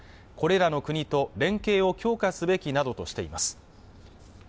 これらの国と連携を強化すべきなどとしています